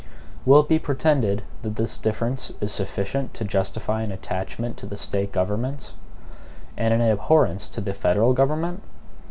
Will it be pretended that this difference is sufficient to justify an attachment to the State governments, and an abhorrence to the federal government?